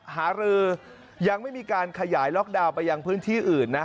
หารือยังไม่มีการขยายล็อกดาวน์ไปยังพื้นที่อื่นนะ